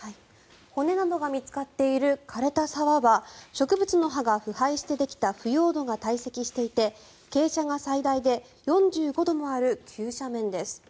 骨などが見つかっている枯れた沢は植物の葉が腐敗してできた腐葉土がたい積していて傾斜が最大で４５度もある急斜面です。